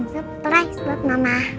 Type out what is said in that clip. surprise buat mama